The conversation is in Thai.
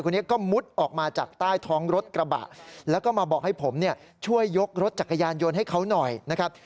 คนนี้ก็มุดออกมาจากใต้ท้องรถกระบะแล้วก็มาบอกให้ผมเนี่ยช่วยยกรถจักรยานยนต์ให้เขาหน่อยนะครับ